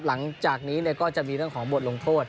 หลังจากนี้ก็จะมีเรื่องของบทลงโทษ